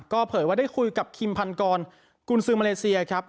เผยว่าได้คุยกับคิมพันกรกุญซือมาเลเซียครับ